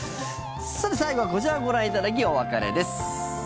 最後はこちらをご覧いただきお別れです。